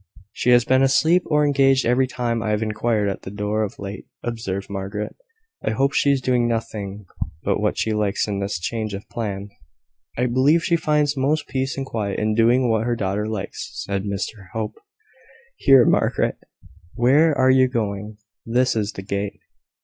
"She has been asleep or engaged every time I have inquired at the door of late," observed Margaret. "I hope she is doing nothing but what she likes in this change of plan." "I believe she finds most peace and quiet in doing what her daughter likes," said Mr Hope. "Here, Margaret, where are you going? This is the gate.